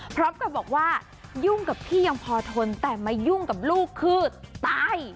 พร้อมกับบอกว่ายุ่งกับพี่ยังพอทนแต่มายุ่งกับลูกคือตาย